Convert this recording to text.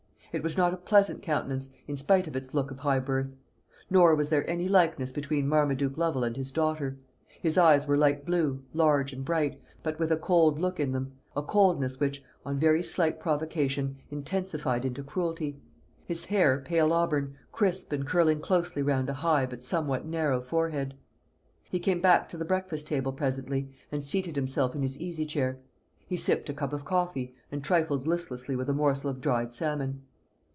It was not a pleasant countenance, in spite of its look of high birth; nor was there any likeness between Marmaduke Lovel and his daughter. His eyes were light blue, large and bright, but with a cold look in them a coldness which, on very slight provocation, intensified into cruelty; his hair pale auburn, crisp and curling closely round a high but somewhat narrow forehead. He came back to the breakfast table presently, and seated himself in his easy chair. He sipped a cup of coffee, and trifled listlessly with a morsel of dried salmon.